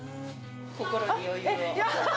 心に余裕を。